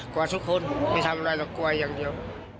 กลัวทุกคนไม่ทำอะไรหรอกกลัวอย่างเดียว